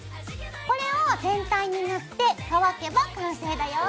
これを全体に塗って乾けば完成だよ。